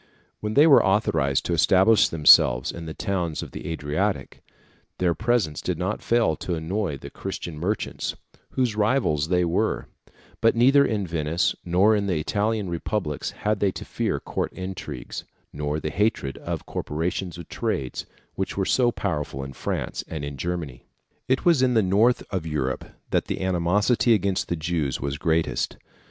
When they were authorised to establish themselves in the towns of the Adriatic, their presence did not fail to annoy the Christian merchants, whose rivals they were; but neither in Venice nor in the Italian republics had they to fear court intrigues, nor the hatred of corporations of trades, which were so powerful in France and in Germany. It was in the north of Europe that the animosity against the Jews was greatest.